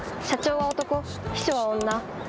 社長は男秘書は女。